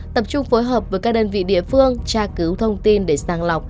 tập trung phối hợp với các đơn vị địa phương tra cứu thông tin để sàng lọc